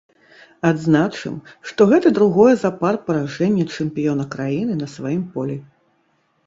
Адзначым, што гэта другое запар паражэнне чэмпіёна краіны на сваім полі.